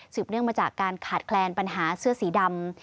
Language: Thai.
เนื่องมาจากการขาดแคลนปัญหาเสื้อสีดำ